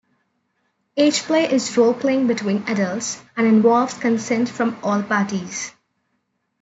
Ageplay is roleplaying between adults, and involves consent from all parties.